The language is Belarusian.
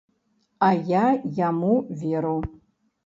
А я яму веру.